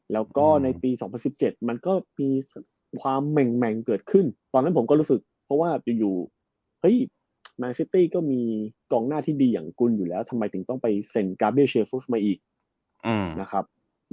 แล้วก็ในปี๒๐๑๗มันก็มีความแหม่งเกิดขึ้นตอนนั้นผมก็รู้สึกเพราะว่าอยู่เฮ้ยแมนซิตี้ก็มีกองหน้าที่ดีอย่างกุลอยู่แล้วทำไมถึงต้องไปเซ็นกาเบี้ยเชลซูสมาอีกนะครับ